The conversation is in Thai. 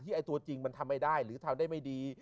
ไอ้ตัวจริงมันทำไม่ได้หรือทำได้ไม่ดี